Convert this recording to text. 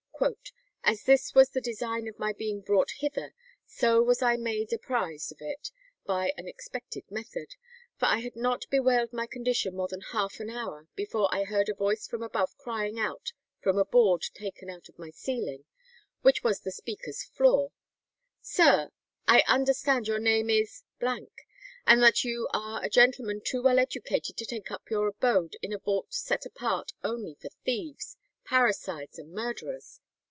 "As this was the design of my being brought hither, so was I made apprized of it by an expected method; for I had not bewailed my condition more than half an hour, before I heard a voice from above crying out from a board taken out of my ceiling, which was the speaker's floor, 'Sir, I understand your name is ——, and that you are a gentleman too well educated to take up your abode in a vault set apart only for thieves, parricides, and murderers.